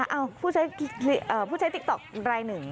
ผู้ใช้ติ๊กต๊อกรายหนึ่ง